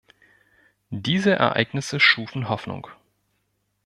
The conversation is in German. Diese Ereignisse schufen Hoffnung.